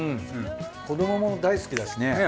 子どもも大好きだしね。